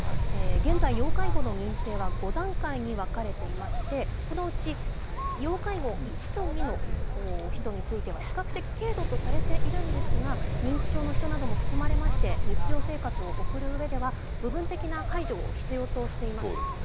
現在、要介護の認定は５段階に分かれていまして、このうち、要介護１と２の人については比較的、軽度とされているんですが、認知症の人なども含まれまして、日常生活を送るうえでは、部分的な介助を必要としています。